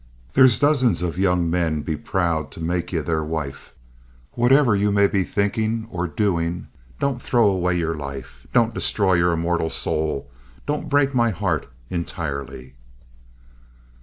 There's dozens of young men'd be proud to make ye their wife. Whatever ye may be thinkin' or doin', don't throw away your life. Don't destroy your immortal soul. Don't break my heart entirely."